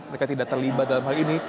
mereka tidak terlibat dalam hal ini